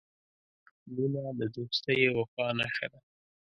• مینه د دوستۍ او وفا نښه ده.